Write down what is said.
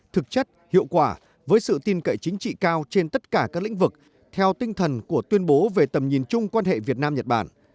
thực chất hiệu quả với sự tin cậy chính trị cao trên tất cả các lĩnh vực theo tinh thần của tuyên bố về tầm nhìn chung quan hệ việt nam nhật bản